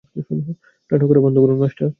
নাটক করা বন্ধ করুন, মাস্টার!